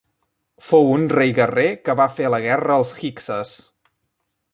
Fou un rei guerrer que va fer la guerra als hikses.